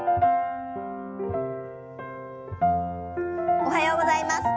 おはようございます。